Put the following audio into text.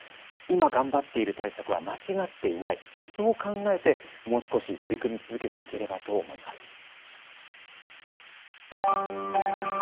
今頑張っている対策は間違っていない、そう考えてもう少し取り組み続けていければと思います。